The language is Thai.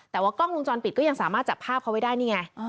แต่ว่ากล้องวงจรปิดก็ยังสามารถจับภาพเขาไว้ได้นี่ไง